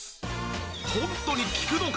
ホントに効くのか？